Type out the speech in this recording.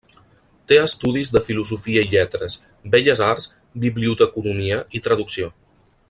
Té estudis de Filosofia i lletres, belles arts, biblioteconomia i traducció.